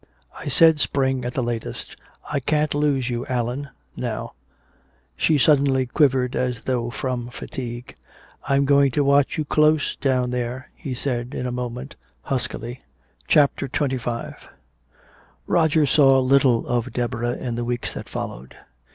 I said, spring at the latest! I can't lose you, Allan now " She suddenly quivered as though from fatigue. "I'm going to watch you close down there," he said in a moment, huskily. CHAPTER XXV Roger saw little of Deborah in the weeks that followed.